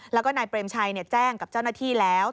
แล้วก็นายเปรมชัยแจ้งกับเจ้าหน้าที่แล้ว